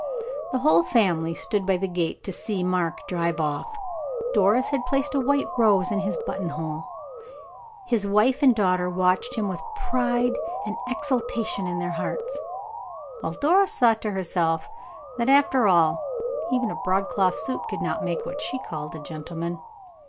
The whole family stood by the gate to see Mark drive off. Doris had placed a white rose in his buttonhole; his wife and daughter watched him with pride and exultation in their hearts, while Doris thought to herself that, after all, even a broadcloth suit could not make what she called a gentleman.